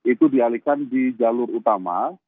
itu dialihkan di jalur utama